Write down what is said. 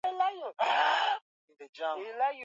Likasi beko na lima zaidi na madawa kila kitu kya kula